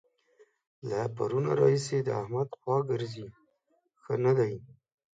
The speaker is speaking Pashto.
له پرونه راهسې د احمد خوا ګرځي؛ ښه نه دی.